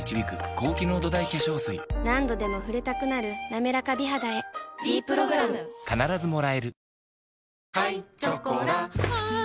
何度でも触れたくなる「なめらか美肌」へ「ｄプログラム」人生これから！